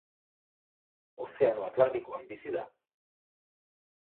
Ozeano Atlantikoan bizi da.